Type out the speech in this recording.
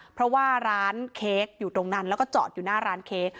เพราะว่าร้านเค้กอยู่ตรงนั้นแล้วก็จอดอยู่หน้าร้านเค้ก